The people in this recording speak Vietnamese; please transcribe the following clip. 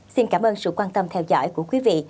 xin cảm ơn sự quan tâm theo dõi của quý vị